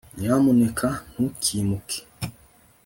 nyamuneka ntukimuke